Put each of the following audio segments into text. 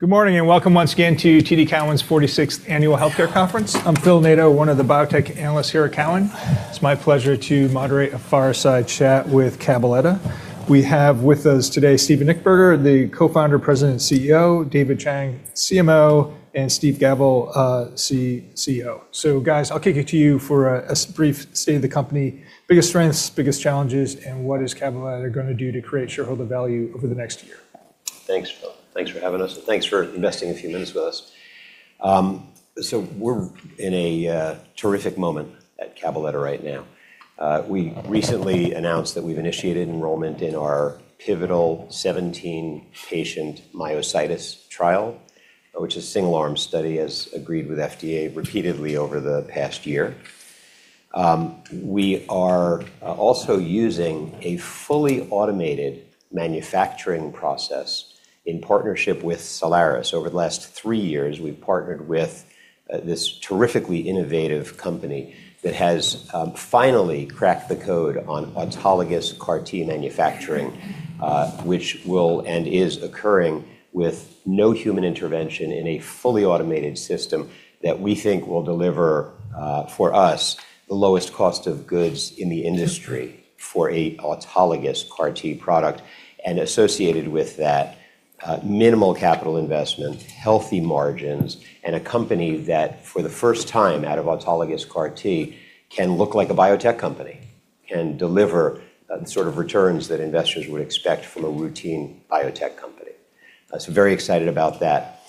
Good morning, and welcome once again to TD Cowen's 46th Annual Health Care Conference. I'm Phil Nadeau, one of the biotech analysts here at Cowen. It's my pleasure to moderate a fireside chat with Cabaletta. We have with us today Steven Nichtberger, the co-founder, president, and CEO, David Chang, CMO, and Steve Gavel, CCO. Guys, I'll kick it to you for a brief state of the company. Biggest strengths, biggest challenges, and what is Cabaletta gonna do to create shareholder value over the next year? Thanks, Phil. Thanks for having us, thanks for investing a few minutes with us. We're in a terrific moment at Cabaletta right now. We recently announced that we've initiated enrollment in our pivotal 17-patient myositis trial, which is a single-arm study as agreed with FDA repeatedly over the past year. We are also using a fully automated manufacturing process in partnership with Cellares. Over the last three years, we've partnered with this terrifically innovative company that has finally cracked the code on autologous CAR T manufacturing, which will and is occurring with no human intervention in a fully automated system that we think will deliver for us, the lowest cost of goods in the industry for a autologous CAR T product, and associated with that, minimal capital investment, healthy margins, and a company that for the first time out of autologous CAR T can look like a biotech company and deliver the sort of returns that investors would expect from a routine biotech company. Very excited about that.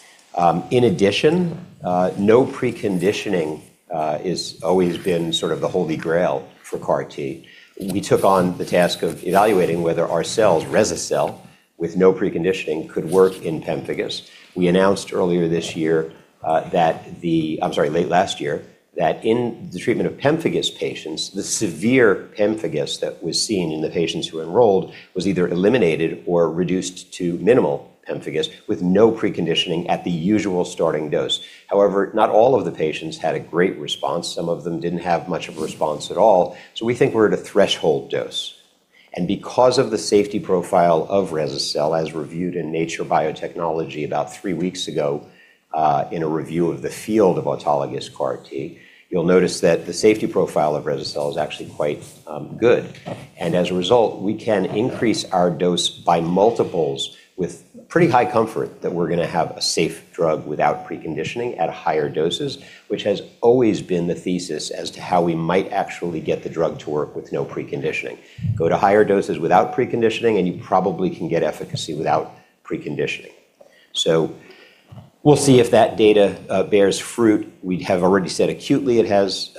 In addition, no preconditioning has always been sort of the holy grail for CAR T. We took on the task of evaluating whether our cells, rese-cel, with no preconditioning could work in pemphigus. We announced earlier this year, that I'm sorry, late last year, that in the treatment of pemphigus patients, the severe pemphigus that was seen in the patients who enrolled was either eliminated or reduced to minimal pemphigus with no preconditioning at the usual starting dose. However, not all of the patients had a great response. Some of them didn't have much of a response at all. We think we're at a threshold dose. Because of the safety profile of rese-cel, as reviewed in Nature Biotechnology about three weeks ago, in a review of the field of autologous CAR T, you'll notice that the safety profile of rese-cel is actually quite good. As a result, we can increase our dose by multiples with pretty high comfort that we're gonna have a safe drug without preconditioning at higher doses, which has always been the thesis as to how we might actually get the drug to work with no preconditioning. Go to higher doses without preconditioning, you probably can get efficacy without preconditioning. We'll see if that data bears fruit. We have already said acutely it has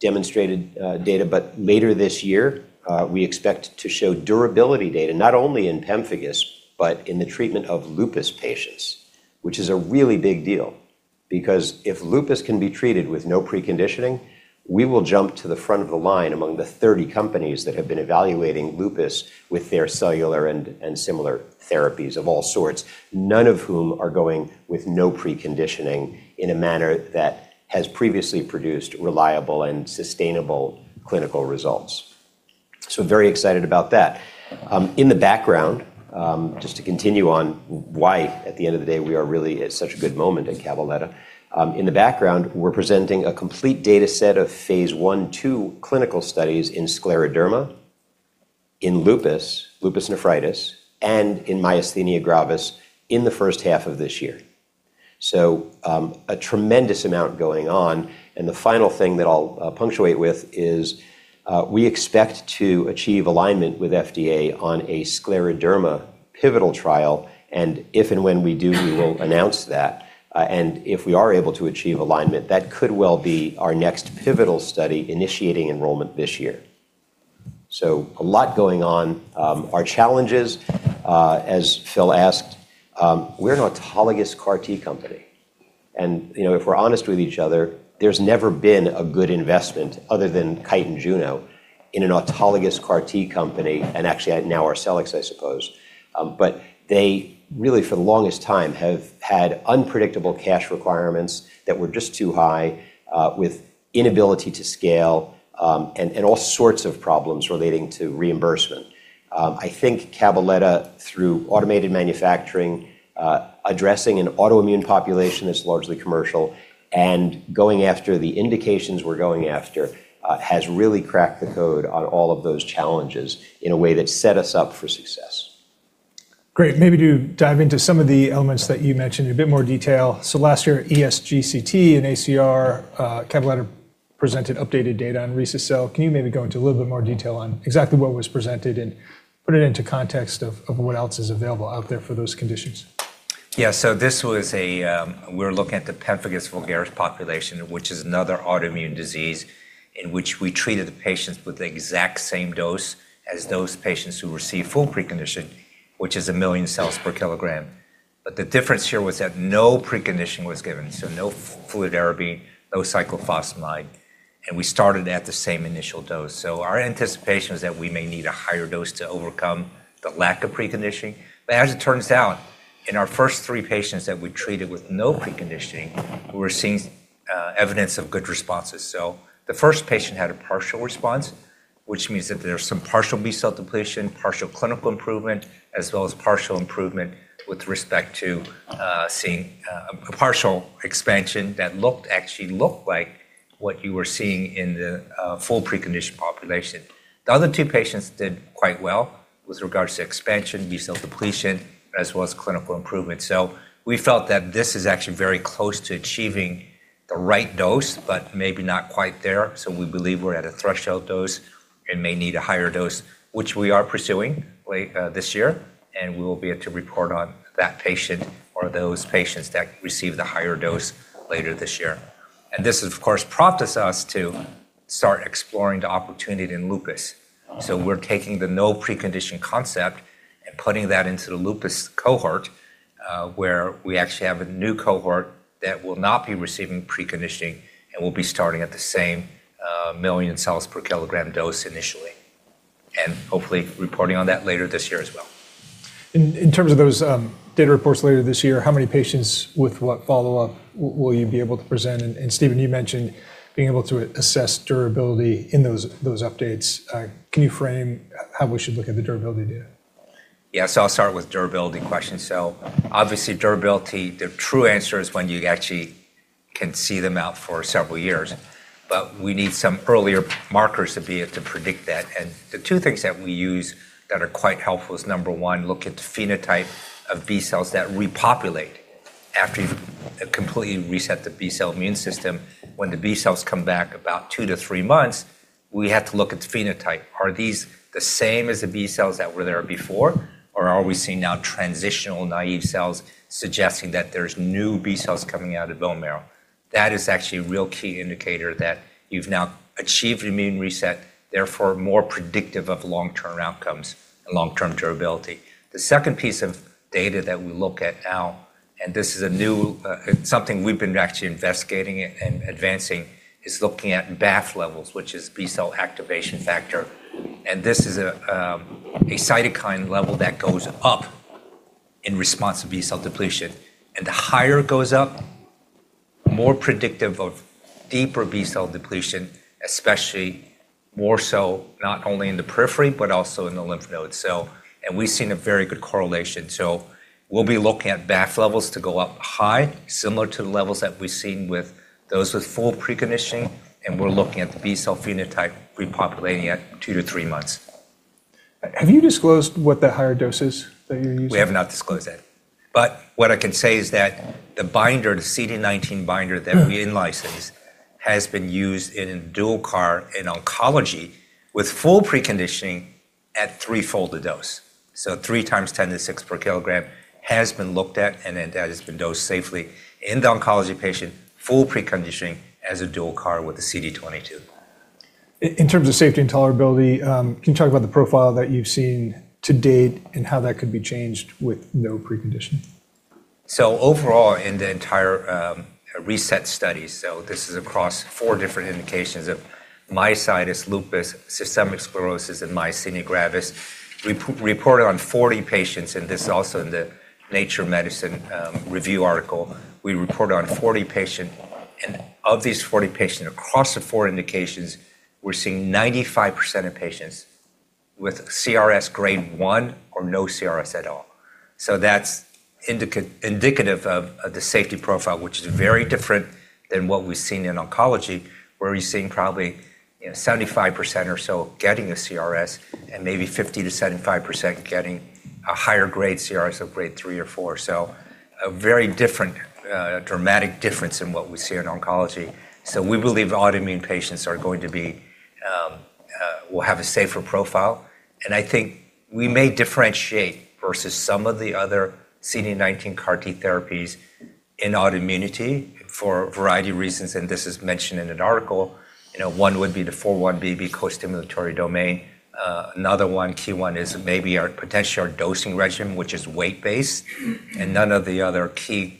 demonstrated data. Later this year, we expect to show durability data not only in pemphigus but in the treatment of lupus patients, which is a really big deal because if lupus can be treated with no preconditioning, we will jump to the front of the line among the 30 companies that have been evaluating lupus with their cellular and similar therapies of all sorts, none of whom are going with no preconditioning in a manner that has previously produced reliable and sustainable clinical results. Very excited about that. In the background, just to continue on why at the end of the day we are really at such a good moment at Cabaletta. In the background, we're presenting a complete data set of phase I/II clinical studies in scleroderma, in lupus nephritis, and in myasthenia gravis in the first half of this year. A tremendous amount going on, and the final thing that I'll punctuate with is we expect to achieve alignment with FDA on a scleroderma pivotal trial, and if and when we do, we will announce that. If we are able to achieve alignment, that could well be our next pivotal study initiating enrollment this year. A lot going on. Our challenges, as Phil asked, we're an autologous CAR T company, and, you know, if we're honest with each other, there's never been a good investment other than Kite and Juno in an autologous CAR T company, and actually now Arcellx, I suppose. They really for the longest time have had unpredictable cash requirements that were just too high, with inability to scale, and all sorts of problems relating to reimbursement. I think Cabaletta through automated manufacturing, addressing an autoimmune population that's largely commercial and going after the indications we're going after, has really cracked the code on all of those challenges in a way that set us up for success. Great. Maybe to dive into some of the elements that you mentioned in a bit more detail. Last year, ESGCT and ACR, Cabaletta presented updated data on rese-cel. Can you maybe go into a little bit more detail on exactly what was presented and put it into context of what else is available out there for those conditions? We were looking at the pemphigus vulgaris population, which is another autoimmune disease in which we treated the patients with the exact same dose as those patients who received full precondition, which is 1 million cells per kilogram. The difference here was that no preconditioning was given, no fludarabine, no cyclophosphamide, we started at the same initial dose. Our anticipation was that we may need a higher dose to overcome the lack of preconditioning. As it turns out, in our first three patients that we treated with no preconditioning, we're seeing evidence of good responses. The first patient had a partial response. Which means that there's some partial B-cell depletion, partial clinical improvement, as well as partial improvement with respect to seeing a partial expansion that actually looked like what you were seeing in the full preconditioned population. The other two patients did quite well with regards to expansion, B-cell depletion, as well as clinical improvement. We felt that this is actually very close to achieving the right dose, but maybe not quite there. We believe we're at a threshold dose and may need a higher dose, which we are pursuing late this year, and we will be able to report on that patient or those patients that receive the higher dose later this year. This, of course, prompted us to start exploring the opportunity in lupus. We're taking the no preconditioning concept and putting that into the lupus cohort, where we actually have a new cohort that will not be receiving preconditioning and will be starting at the same 1 million cells per kilogram dose initially, and hopefully reporting on that later this year as well. In terms of those data reports later this year, how many patients with what follow-up will you be able to present? Steven, you mentioned being able to assess durability in those updates. Can you frame how we should look at the durability data? I'll start with durability question. Obviously durability, the true answer is when you actually can see them out for several years. We need some earlier markers to be able to predict that. The two things that we use that are quite helpful is, number one, look at the phenotype of B-cells that repopulate after you've completely reset the B-cell immune system. When the B-cells come back about two to three months, we have to look at the phenotype. Are these the same as the B-cells that were there before, or are we seeing now transitional naive cells suggesting that there's new B-cells coming out of bone marrow? That is actually a real key indicator that you've now achieved immune reset, therefore more predictive of long-term outcomes and long-term durability. The second piece of data that we look at now, this is a new, something we've been actually investigating it and advancing, is looking at BAFF levels, which is B-cell activating factor. This is a cytokine level that goes up in response to B-cell depletion. The higher it goes up, more predictive of deeper B-cell depletion, especially more so not only in the periphery but also in the lymph nodes. We've seen a very good correlation. We'll be looking at BAFF levels to go up high, similar to the levels that we've seen with those with full preconditioning, and we're looking at the B-cell phenotype repopulating at two to three months. Have you disclosed what the higher dose is that you're using? We have not disclosed that. What I can say is that the binder, the CD19 binder that we in-licensed, has been used in dual CAR in oncology with full preconditioning at -fold the dose. 3 x 10⁶ per kilogram has been looked at, and that has been dosed safely in the oncology patient, full preconditioning as a dual CAR with the CD22. In terms of safety and tolerability, can you talk about the profile that you've seen to date and how that could be changed with no preconditioning? Overall in the entire RESET study, this is across four different indications of myositis, lupus, systemic sclerosis, and myasthenia gravis. We reported on 40 patients, and this is also in the Nature Medicine review article. We reported on 40 patients, and of these 40 patients across the four indications, we're seeing 95% of patients with CRS grade 1 or no CRS at all. That's indicative of the safety profile, which is very different than what we've seen in oncology, where we're seeing probably, you know, 75% or so getting a CRS and maybe 50%-75% getting a higher grade CRS of grade 3 or 4. A very different, dramatic difference in what we see in oncology. We believe autoimmune patients will have a safer profile. I think we may differentiate versus some of the other CD19-CAR T therapies in autoimmunity for a variety of reasons, and this is mentioned in an article. You know, one would be the 4-1BB costimulatory domain. Another one, key one is maybe our potential our dosing regimen, which is weight-based, and none of the other key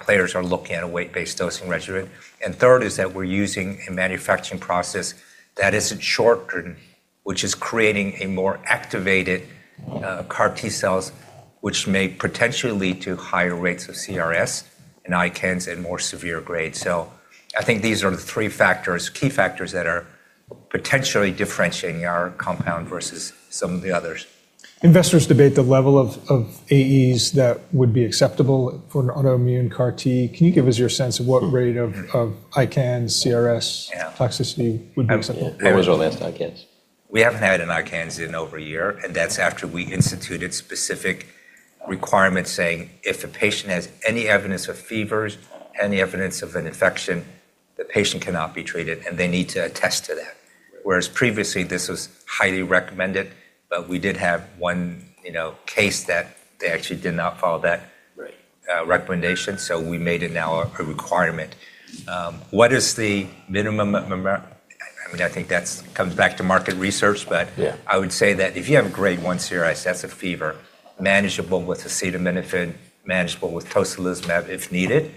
players are looking at a weight-based dosing regimen. Third is that we're using a manufacturing process that is shortened, which is creating a more activated CAR T-cells, which may potentially lead to higher rates of CRS and ICANS in more severe grades. I think these are the three factors, key factors that are potentially differentiating our compound versus some of the others. Investors debate the level of AEs that would be acceptable for an autoimmune CAR T. Can you give us your sense of what rate of ICANS? Yeah... toxicity would be acceptable? Where was your last ICANS? We haven't had an ICANS in over a year. That's after we instituted specific requirements saying if a patient has any evidence of fevers, any evidence of an infection, the patient cannot be treated, and they need to attest to that. Previously, this was highly recommended, but we did have one, you know, case that they actually did not follow that. Right... recommendation. We made it now a requirement. What is the minimum? I mean, I think that's comes back to market research. Yeah... I would say that if you have grade 1 CRS, that's a fever manageable with acetaminophen, manageable with tocilizumab if needed,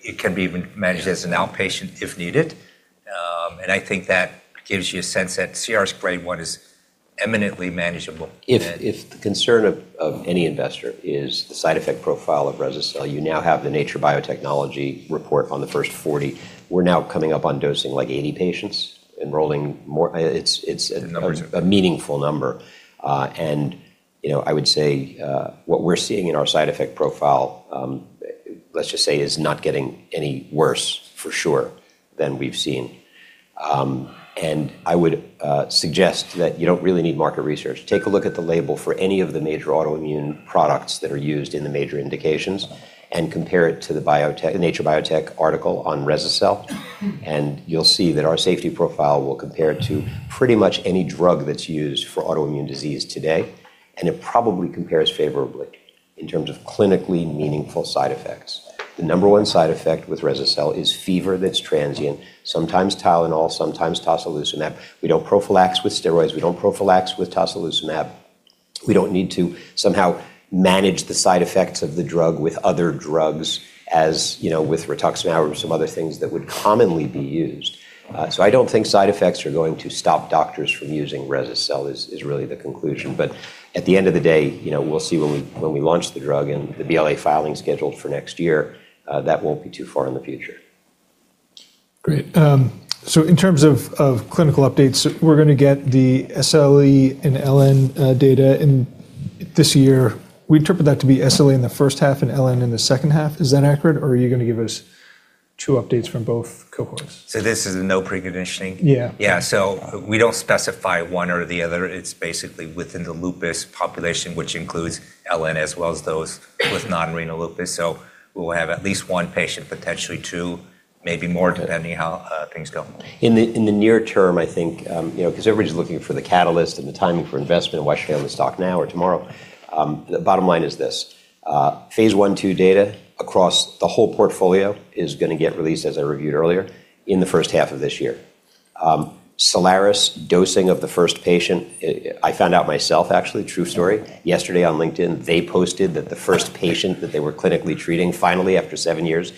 it can be even managed as an outpatient if needed. I think that gives you a sense that CRS grade 1 is eminently manageable. If the concern of any investor is the side effect profile of rese-cel, you now have the Nature Biotechnology report on the first 40. We're now coming up on dosing like 80 patients, enrolling more... It's. The numbers are-... a meaningful number. You know, I would say what we're seeing in our side effect profile, let's just say is not getting any worse for sure than we've seen. I would suggest that you don't really need market research. Take a look at the label for any of the major autoimmune products that are used in the major indications and compare it to the Nature Biotechnology article on rese-cel, you'll see that our safety profile will compare to pretty much any drug that's used for autoimmune disease today, it probably compares favorably in terms of clinically meaningful side effects. The number one side effect with rese-cel is fever that's transient, sometimes Tylenol, sometimes tocilizumab. We don't prophylax with steroids. We don't prophylax with tocilizumab. We don't need to somehow manage the side effects of the drug with other drugs as, you know, with rituximab or some other things that would commonly be used. I don't think side effects are going to stop doctors from using rese-cel is really the conclusion. At the end of the day, you know, we'll see when we, when we launch the drug and the BLA filing scheduled for next year, that won't be too far in the future. Great. In terms of clinical updates, we're gonna get the SLE and LN data in this year. We interpret that to be SLE in the first half and LN in the second half. Is that accurate, or are you gonna give us two updates from both cohorts? This is no preconditioning? Yeah. Yeah. We don't specify one or the other. It's basically within the lupus population, which includes LN as well as those with non-renal lupus. We'll have at least one patient, potentially two, maybe more, depending how things go. In the near term, I think, you know, 'cause everybody's looking for the catalyst and the timing for investment, why should they own the stock now or tomorrow? The bottom line is this. phase I/II data across the whole portfolio is gonna get released, as I reviewed earlier, in the first half of this year. Cellares dosing of the first patient, I found out myself actually, true story. Yesterday on LinkedIn, they posted that the first patient that they were clinically treating finally after seven years,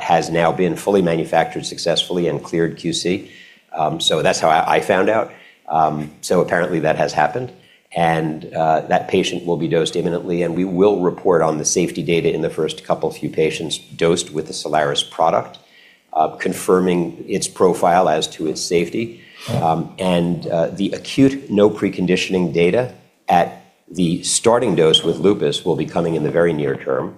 has now been fully manufactured successfully and cleared QC. That's how I found out. Apparently that has happened, and that patient will be dosed imminently, and we will report on the safety data in the first couple few patients dosed with the Cellares product, confirming its profile as to its safety. The acute no preconditioning data at the starting dose with lupus will be coming in the very near term.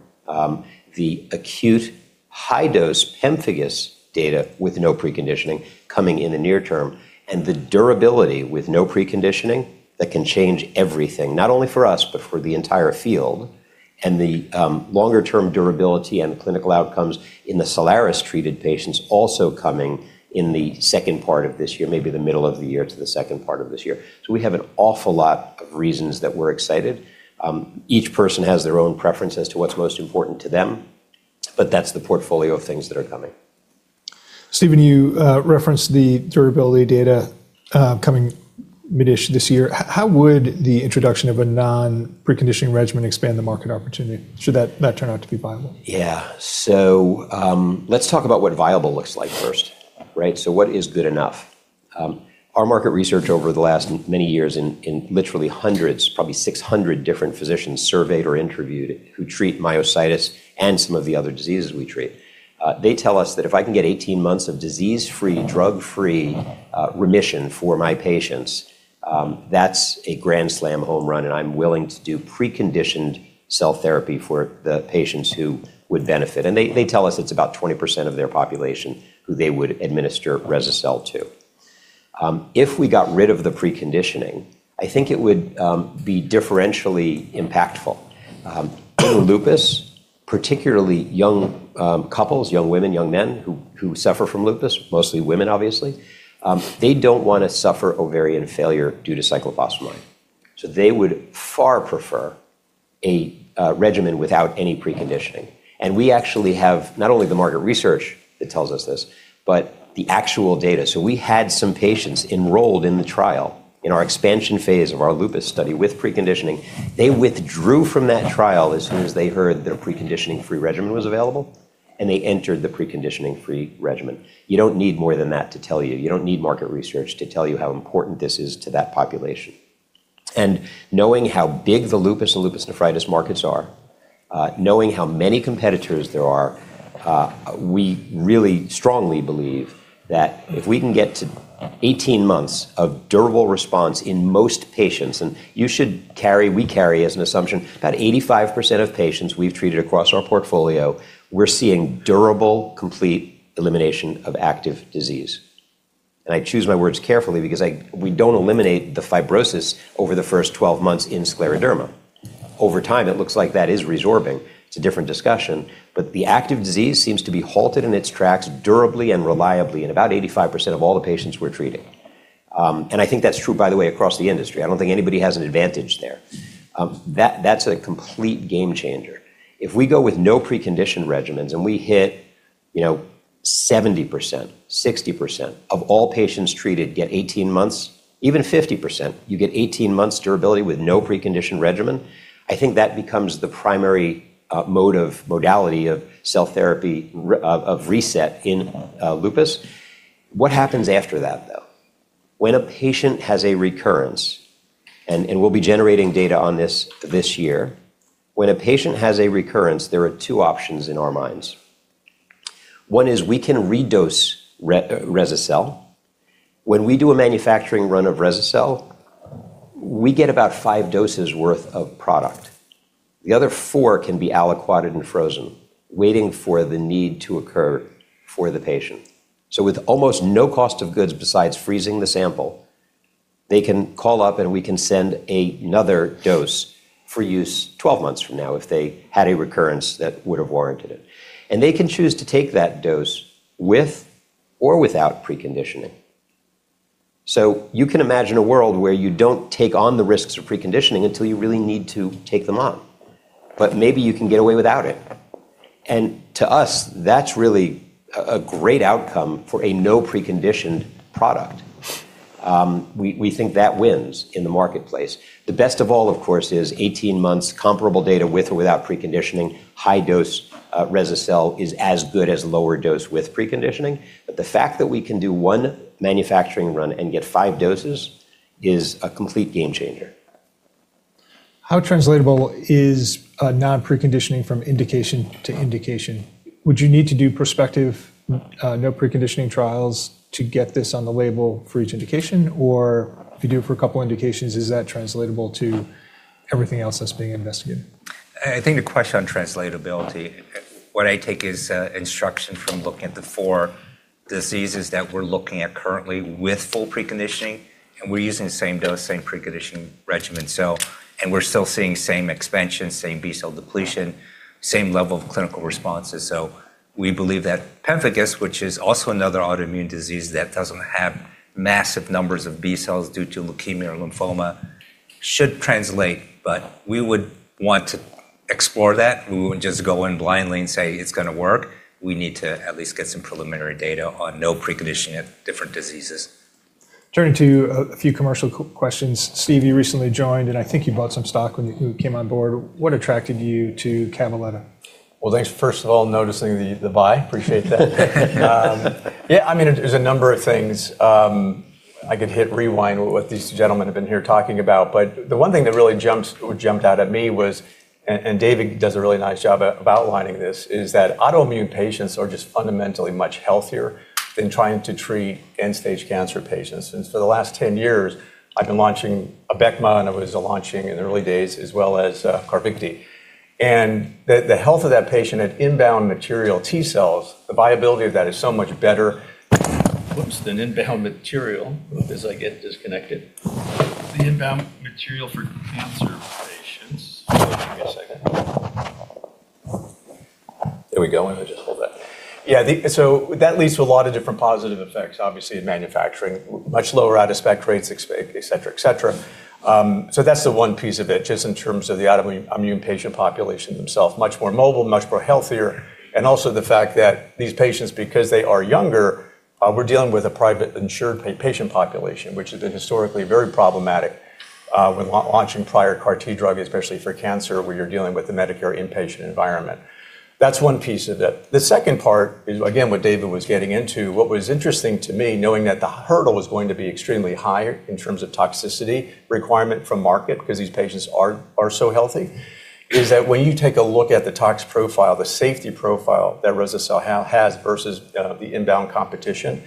The acute high-dose pemphigus data with no preconditioning coming in the near term, and the durability with no preconditioning, that can change everything, not only for us, but for the entire field. The longer-term durability and clinical outcomes in the Cellares-treated patients also coming in the second part of this year, maybe the middle of the year to the second part of this year. We have an awful lot of reasons that we're excited. Each person has their own preference as to what's most important to them, but that's the portfolio of things that are coming. Steven, you referenced the durability data, coming mid-ish this year. How would the introduction of a non-preconditioning regimen expand the market opportunity should that turn out to be viable? Yeah. Let's talk about what viable looks like first, right? What is good enough? Our market research over the last many years in literally hundreds, probably 600 different physicians surveyed or interviewed who treat myositis and some of the other diseases we treat, they tell us that if I can get 18 months of disease-free, drug-free remission for my patients, that's a grand slam home run, and I'm willing to do preconditioned cell therapy for the patients who would benefit. They tell us it's about 20% of their population who they would administer rese-cel to. If we got rid of the preconditioning, I think it would be differentially impactful. Lupus, particularly young couples, young women, young men who suffer from lupus, mostly women obviously, they don't wanna suffer ovarian failure due to cyclophosphamide. They would far prefer a regimen without any preconditioning. We actually have not only the market research that tells us this, but the actual data. We had some patients enrolled in the trial in our expansion phase of our lupus study with preconditioning. They withdrew from that trial as soon as they heard that a preconditioning-free regimen was available, and they entered the preconditioning-free regimen. You don't need more than that to tell you. You don't need market research to tell you how important this is to that population. Knowing how big the lupus and lupus nephritis markets are, knowing how many competitors there are, we really strongly believe that if we can get to 18 months of durable response in most patients. You should carry, we carry as an assumption about 85% of patients we've treated across our portfolio, we're seeing durable, complete elimination of active disease. I choose my words carefully because we don't eliminate the fibrosis over the first 12 months in scleroderma. Over time, it looks like that is resorbing. It's a different discussion, but the active disease seems to be halted in its tracks durably and reliably in about 85% of all the patients we're treating. And I think that's true, by the way, across the industry. I don't think anybody has an advantage there. That, that's a complete game changer. If we go with no preconditioned regimens and we hit, you know, 70%, 60% of all patients treated get 18 months, even 50%, you get 18 months durability with no preconditioned regimen, I think that becomes the primary modality of cell therapy of reset in lupus. What happens after that, though? When a patient has a recurrence, and we'll be generating data on this this year, when a patient has a recurrence, there are two options in our minds. One is we can redose rese-cel. When we do a manufacturing run of rese-cel, we get about five doses worth of product. The other four can be aliquoted and frozen, waiting for the need to occur for the patient. With almost no cost of goods besides freezing the sample, they can call up, and we can send another dose for use 12 months from now if they had a recurrence that would have warranted it. They can choose to take that dose with or without preconditioning. You can imagine a world where you don't take on the risks of preconditioning until you really need to take them on, but maybe you can get away without it. To us, that's really a great outcome for a no preconditioned product. We think that wins in the marketplace. The best of all, of course, is 18 months comparable data with or without preconditioning, high dose, rese-cel is as good as lower dose with preconditioning. The fact that we can do one manufacturing run and get five doses is a complete game changer. How translatable is non-preconditioning from indication to indication? Would you need to do prospective, no preconditioning trials to get this on the label for each indication? If you do it for a couple indications, is that translatable to everything else that's being investigated? I think the question on translatability, what I take is instruction from looking at the four diseases that we're looking at currently with full preconditioning. We're using the same dose, same preconditioning regimen. We're still seeing same expansion, same B-cell depletion, same level of clinical responses. We believe that pemphigus, which is also another autoimmune disease that doesn't have massive numbers of B-cells due to leukemia or lymphoma, should translate. We would want to explore that. We wouldn't just go in blindly and say it's gonna work. We need to at least get some preliminary data on no preconditioning of different diseases. Turning to a few commercial questions. Steve, you recently joined, and I think you bought some stock when you came on board. What attracted you to Cabaletta? Well, thanks, first of all, noticing the buy. Appreciate that. Yeah, I mean, there's a number of things. I could hit rewind what these gentlemen have been here talking about. The one thing that really jumped out at me was, and David does a really nice job of outlining this, is that autoimmune patients are just fundamentally much healthier than trying to treat end-stage cancer patients. For the last 10 years, I've been launching ABECMA, and I was launching in the early days, as well as CARVYKTI. The health of that patient at inbound material T-cells, the viability of that is so much better... Whoops, than inbound material as I get disconnected. The inbound material for cancer patients... Give me a second. There we go. I might just hold that. Yeah, the... That leads to a lot of different positive effects, obviously, in manufacturing. Much lower out-of-spec rates, et cetera, et cetera. That's the one piece of it, just in terms of the autoimmune patient population themselves. Much more mobile, much more healthier, and also the fact that these patients, because they are younger, we're dealing with a private insured patient population, which has been historically very problematic, when launching prior CAR T drug, especially for cancer, where you're dealing with the Medicare inpatient environment. That's one piece of it. The second part is, again, what David was getting into. What was interesting to me, knowing that the hurdle was going to be extremely high in terms of toxicity requirement from market because these patients are so healthy, is that when you take a look at the tox profile, the safety profile that rese-cel has versus the inbound competition,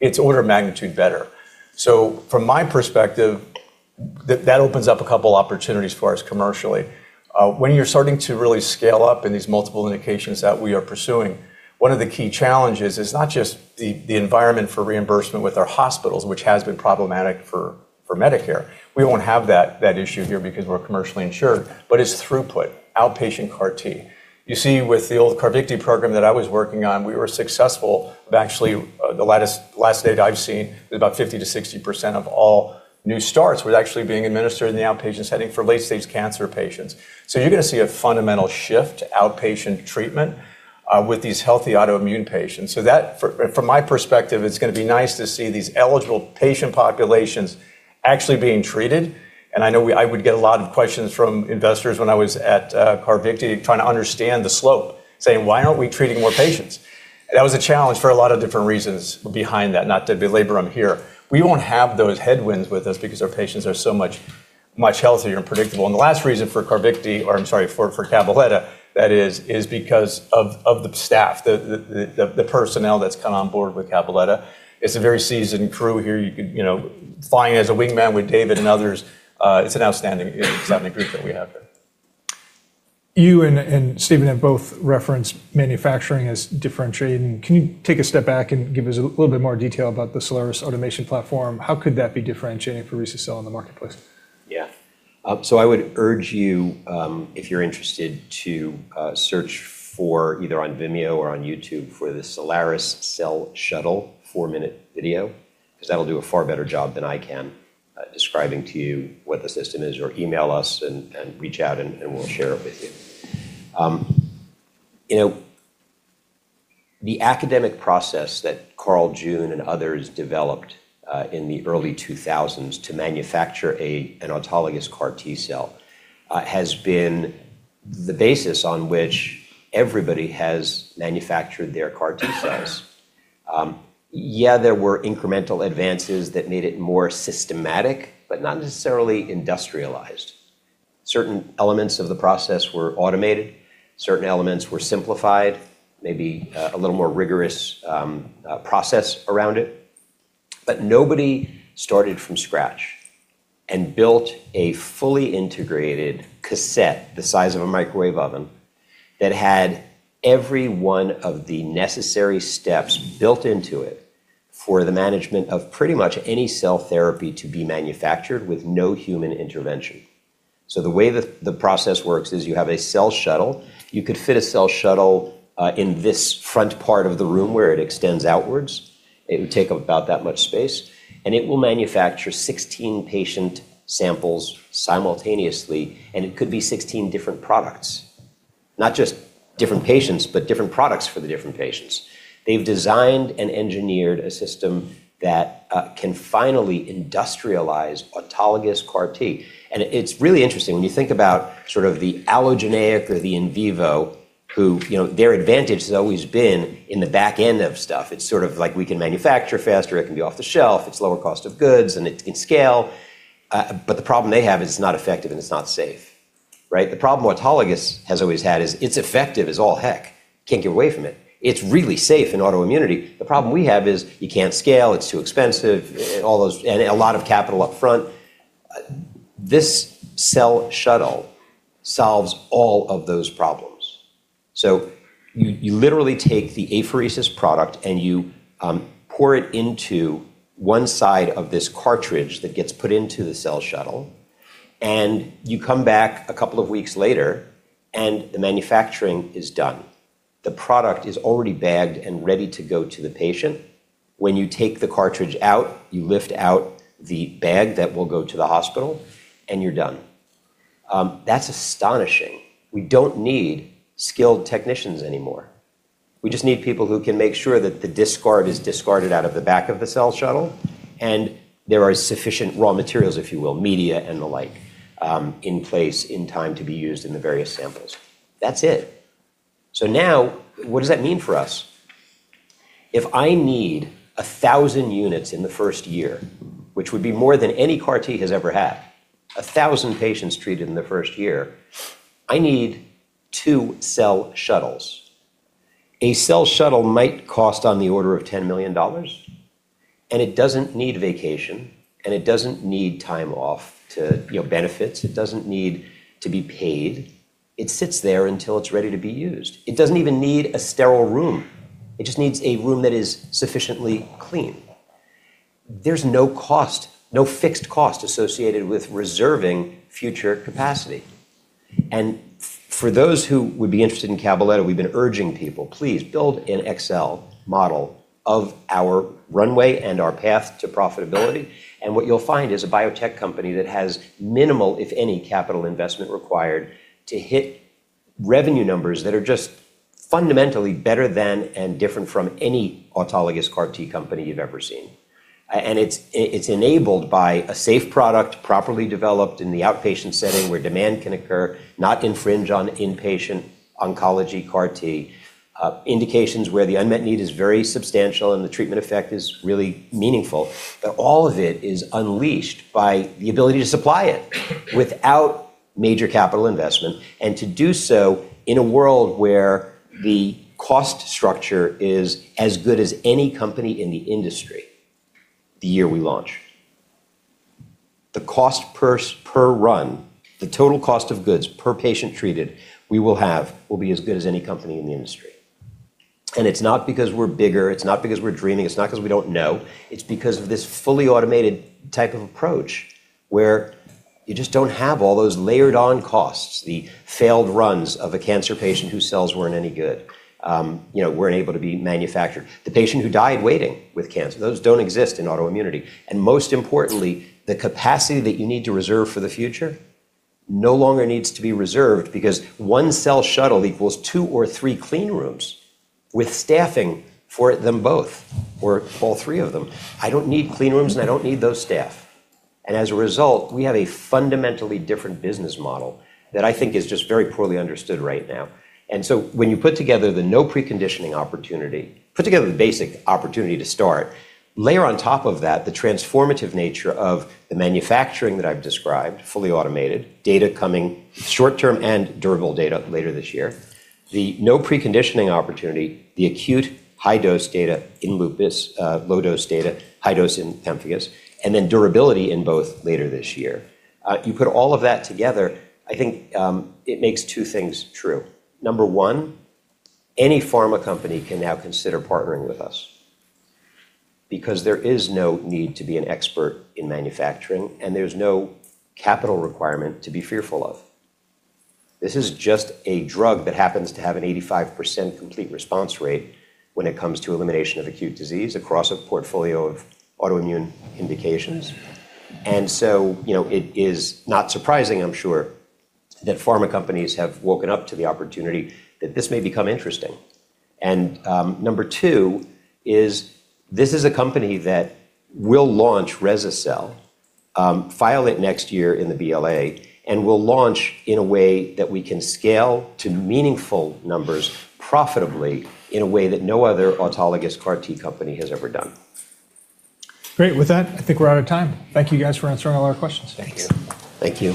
it's order of magnitude better. From my perspective, that opens up a couple opportunities for us commercially. When you're starting to really scale up in these multiple indications that we are pursuing, one of the key challenges is not just the environment for reimbursement with our hospitals, which has been problematic for Medicare. We won't have that issue here because we're commercially insured. It's throughput, outpatient CAR T. You see, with the old CARVYKTI program that I was working on, we were successful of actually the latest... last data I've seen is about 50%-60% of all new starts was actually being administered in the outpatient setting for late-stage cancer patients. You're gonna see a fundamental shift to outpatient treatment with these healthy autoimmune patients. That, from my perspective, it's gonna be nice to see these eligible patient populations actually being treated. I know I would get a lot of questions from investors when I was at CARVYKTI trying to understand the slope, saying, "Why aren't we treating more patients?" That was a challenge for a lot of different reasons behind that, not to belabor them here. We won't have those headwinds with us because our patients are so much healthier and predictable. The last reason for CARVYKTI. I'm sorry, for Cabaletta, that is because of the staff, the personnel that's come on board with Cabaletta. It's a very seasoned crew here. You could, you know, flying as a wingman with David and others, it's an outstanding group that we have there. You and Steven have both referenced manufacturing as differentiating. Can you take a step back and give us a little bit more detail about the Cellares automation platform? How could that be differentiating for rese-cel in the marketplace? Yeah. I would urge you, if you're interested, to search for either on Vimeo or on YouTube for the Cellares Cell Shuttle four-minute video, 'cause that'll do a far better job than I can describing to you what the system is, or email us and reach out and we'll share it with you. You know, the academic process that Carl June and others developed in the early 2000s to manufacture an autologous CAR T-cell has been the basis on which everybody has manufactured their CAR T-cells. Yeah, there were incremental advances that made it more systematic, but not necessarily industrialized. Certain elements of the process were automated, certain elements were simplified, maybe a little more rigorous process around it, but nobody started from scratch and built a fully integrated cassette the size of a microwave oven that had every one of the necessary steps built into it for the management of pretty much any cell therapy to be manufactured with no human intervention. The way the process works is you have a Cell Shuttle. You could fit a Cell Shuttle in this front part of the room where it extends outwards. It would take about that much space, and it will manufacture 16 patient samples simultaneously, and it could be 16 different products. Not just different patients, but different products for the different patients. They've designed and engineered a system that can finally industrialize autologous CAR T. It's really interesting when you think about sort of the allogeneic or the in vivo who, you know, their advantage has always been in the back end of stuff. It's sort of like we can manufacture faster, it can be off the shelf, it's lower cost of goods, and it can scale. The problem they have is it's not effective and it's not safe, right? The problem autologous has always had is it's effective as all heck. Can't get away from it. It's really safe in autoimmunity. The problem we have is you can't scale, it's too expensive. A lot of capital up front. This Cell Shuttle solves all of those problems. You literally take the apheresis product and you pour it into one side of this cartridge that gets put into the Cell Shuttle, and you come back a couple of weeks later and the manufacturing is done. The product is already bagged and ready to go to the patient. When you take the cartridge out, you lift out the bag that will go to the hospital, and you're done. That's astonishing. We don't need skilled technicians anymore. We just need people who can make sure that the discard is discarded out of the back of the Cell Shuttle, and there are sufficient raw materials, if you will, media and the like, in place in time to be used in the various samples. That's it. Now what does that mean for us? If I need 1,000 units in the first year, which would be more than any CAR T has ever had, 1,000 patients treated in the first year, I need two Cell Shuttles. A Cell Shuttle might cost on the order of $10 million, and it doesn't need vacation, and it doesn't need time off to, you know, benefits. It doesn't need to be paid. It sits there until it's ready to be used. It doesn't even need a sterile room. It just needs a room that is sufficiently clean. There's no cost, no fixed cost associated with reserving future capacity. For those who would be interested in Cabaletta, we've been urging people, please build an Excel model of our runway and our path to profitability. What you'll find is a biotech company that has minimal, if any, capital investment required to hit revenue numbers that are just fundamentally better than and different from any autologous CAR T company you've ever seen. It's enabled by a safe product properly developed in the outpatient setting where demand can occur, not infringe on inpatient oncology CAR T indications where the unmet need is very substantial and the treatment effect is really meaningful. All of it is unleashed by the ability to supply it without major capital investment, and to do so in a world where the cost structure is as good as any company in the industry the year we launch. The cost per run, the total cost of goods per patient treated we will have will be as good as any company in the industry. It's not because we're bigger, it's not because we're dreaming, it's not because we don't know. It's because of this fully automated type of approach where you just don't have all those layered on costs, the failed runs of a cancer patient whose cells weren't any good, you know, weren't able to be manufactured. The patient who died waiting with cancer. Those don't exist in autoimmunity. Most importantly, the capacity that you need to reserve for the future no longer needs to be reserved because one Cell Shuttle equals two or three clean rooms with staffing for them both or all three of them. I don't need clean rooms, and I don't need those staff. As a result, we have a fundamentally different business model that I think is just very poorly understood right now. When you put together the no preconditioning opportunity, put together the basic opportunity to start, layer on top of that the transformative nature of the manufacturing that I've described, fully automated, data coming short-term and durable data later this year. The no preconditioning opportunity, the acute high-dose data in lupus, low-dose data, high dose in pemphigus, and then durability in both later this year. You put all of that together, I think, it makes two things true. Number one, any pharma company can now consider partnering with us because there is no need to be an expert in manufacturing and there's no capital requirement to be fearful of. This is just a drug that happens to have an 85% complete response rate when it comes to elimination of acute disease across a portfolio of autoimmune indications. You know, it is not surprising, I'm sure, that pharma companies have woken up to the opportunity that this may become interesting. Number two is this is a company that will launch rese-cel, file it next year in the BLA, and will launch in a way that we can scale to meaningful numbers profitably in a way that no other autologous CAR T company has ever done. Great. With that, I think we're out of time. Thank you guys for answering all our questions. Thanks. Thank you.